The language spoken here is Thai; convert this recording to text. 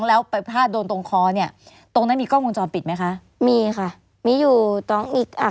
แล้วถ้าโดนตรงคอเนี่ยตรงนั้นมีกล้องวงจรปิดไหมคะ